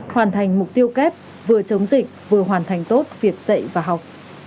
hoàn thành mục tiêu kép vừa chống dịch vừa hoàn thành tốt việc dạy và học